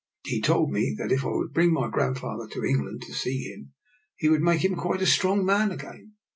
*' He told me that if I would bring my grandfather to Eng land to see him he would make him quite a strong man again.